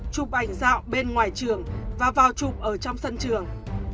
chụp ảnh dạo bên ngoài trường và vào chụp ở trong sân trường